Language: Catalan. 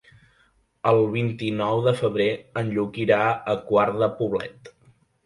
El vint-i-nou de febrer en Lluc irà a Quart de Poblet.